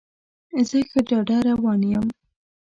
زه ښه ډاډه روان یم.